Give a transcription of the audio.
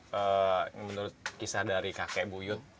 menurut kisah dari kakek bu yud